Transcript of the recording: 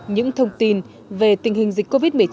những thông tin về tình hình dịch covid một mươi chín